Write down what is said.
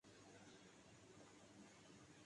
کروڑ روپے سے زیادہ بنتی ہے۔